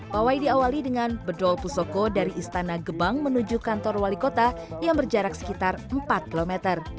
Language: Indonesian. pawai diawali dengan bedol pusoko dari istana gebang menuju kantor wali kota yang berjarak sekitar empat km